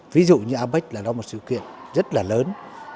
ví dụ như apec là nó một sự kiện rất là lớn